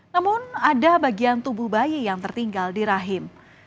namun ada bagian tubuh bayi yang tertinggal di rahim